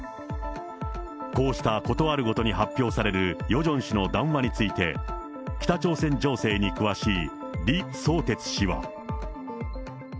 こうしたことあるごとに発表されるヨジョン氏の談話について、北朝鮮情勢に詳しい李相哲氏は。